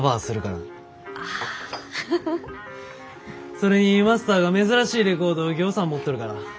それにマスターが珍しいレコードをぎょうさん持っとるから。